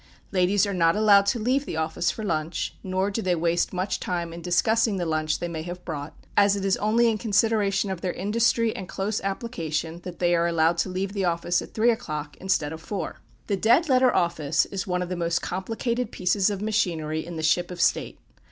Ladies are not allowed to leave the office for lunch, nor do they waste much time in discussing the lunch they may have brought, as it is only in consideration of their industry and close application that they are allowed to leave the office at three o'clock, instead of four. This Dead Letter Office is one of the most complicated pieces of machinery in the "ship of state."